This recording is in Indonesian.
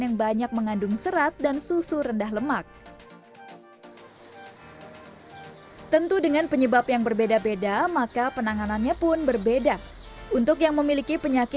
jangan lupa like share dan subscribe channel ini untuk dapat info terbaru dari kami